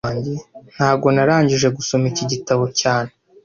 Ntago narangije gusoma iki gitabo cyane